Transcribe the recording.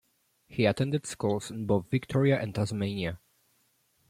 He attended schools in both Victoria and Tasmania.